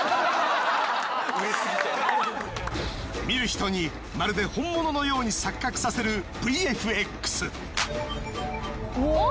見る人にまるで本物のように錯覚させるＶＦＸ。